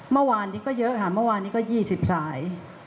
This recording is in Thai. เมื่อวานนี้ก็เยอะค่ะเมื่อวานนี้ก็๒๐สาย